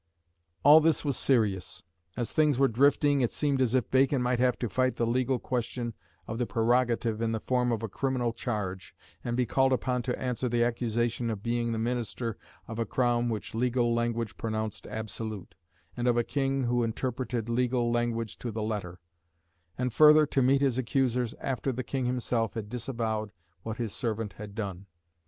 All this was serious. As things were drifting, it seemed as if Bacon might have to fight the legal question of the prerogative in the form of a criminal charge, and be called upon to answer the accusation of being the minister of a crown which legal language pronounced absolute, and of a King who interpreted legal language to the letter; and further, to meet his accusers after the King himself had disavowed what his servant had done.